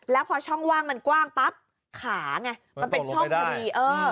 แล้วพอช่องว่างมันกว้างปั๊บขาไงมันตกลงไปได้เออ